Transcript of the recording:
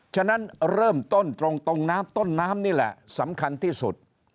ฉะนั้นเริ่มต้นตรงน้ำต้นน้ำนี่แหละสำคัญที่สุด